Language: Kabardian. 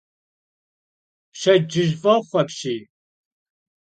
Pşedcıj f'oxhu apşiy.